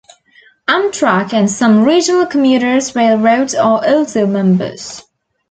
Amtrak and some regional commuter railroads are also members.